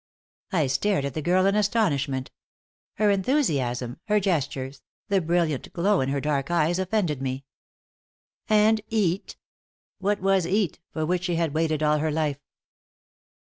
I stared at the girl in astonishment. Her enthusiasm, her gestures, the brilliant glow in her dark eyes offended me. And "eet!" What was "eet," for which she had waited all her life?